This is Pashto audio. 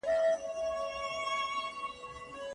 نقيبه! ټول ياران دې ولاړل له يارانو سره